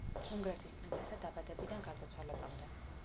უნგრეთის პრინცესა დაბადებიდან გარდაცვალებამდე.